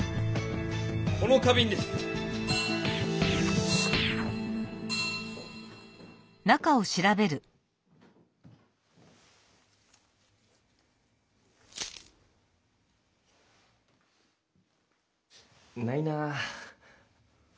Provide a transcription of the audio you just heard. この花びんです！ないなぁ。